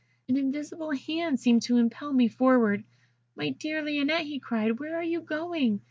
An invisible hand seemed to impel me forward. 'My dear Lionette,' he cried, 'where are you going?